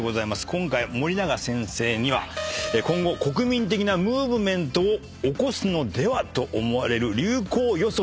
今回森永先生には今後国民的なムーブメントを起こすのではと思われる流行予測。